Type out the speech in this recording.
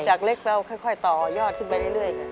จากเล็กเราค่อยต่อยอดขึ้นไปเรื่อย